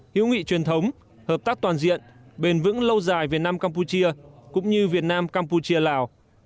hiếu nghị truyền thống hợp tác toàn diện bền vững lâu dài việt nam campuchia cũng như việt nam campuchia lào